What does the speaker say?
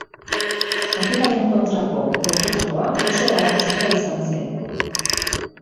Atilaren kontrako lortutakoa oso garrantzitsua izan zen.